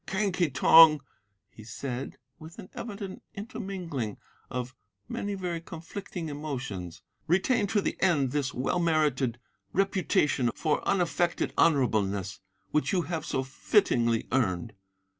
"'Quen Ki Tong,' he said, with an evident intermingling of many very conflicting emotions, 'retain to the end this well merited reputation for unaffected honourableness which you have so fittingly earned.